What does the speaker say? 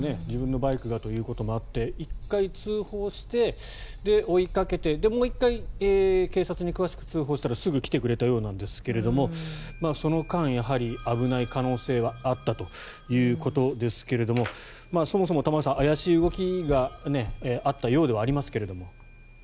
自分のバイクがということもあって１回、通報して、追いかけてもう１回警察に詳しく通報したらすぐ来てくれたようなんですがその間やはり危ない可能性はあったということですけれどもそもそも玉川さん、怪しい動きがあったようではありますが。